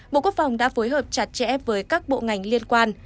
bộ quốc phòng đã phối hợp chặt chẽ với các bộ ngành liên quan